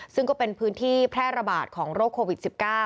ซึ่งก็เป็นพื้นที่แพร่ระบาดของโรคโควิด๑๙